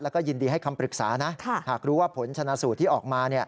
แล้วก็ยินดีให้คำปรึกษานะหากรู้ว่าผลชนะสูตรที่ออกมา